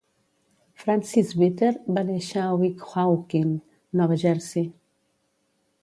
Francis Bitter va néixer a Weehawken, Nova Jersey.